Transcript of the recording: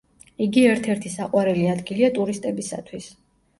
იგი ერთ-ერთი საყვარელი ადგილია ტურისტებისათვის.